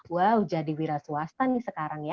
wow jadi wira swasta nih sekarang ya